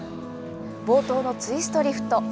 冒頭のツイストリフト。